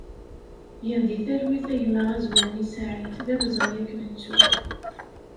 Gen di talwit a gma Azwani Saïd, d awezɣi ad k-nettu!